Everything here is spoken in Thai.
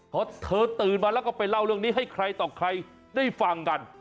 พอเธอตื่นมาแล้วก็ไปเล่าเรื่องนี้ให้ใครต่อใครได้ฟังกัน